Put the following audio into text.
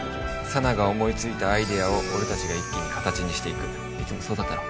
佐奈が思いついたアイデアを俺達が一気に形にしていくいつもそうだったろ